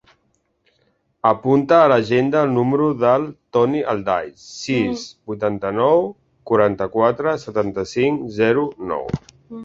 Apunta a l'agenda el número del Toni Aldaz: sis, vuitanta-nou, quaranta-quatre, setanta-cinc, zero, nou.